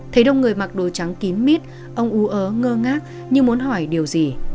thấy đông người mặc đôi trắng kín mít ông ú ớ ngơ ngác như muốn hỏi điều gì